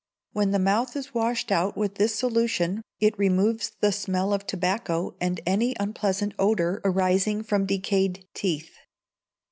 When the mouth is washed out with this solution, it removes the smell of tobacco and any unpleasant odour arising from decayed teeth.